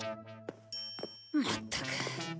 まったく。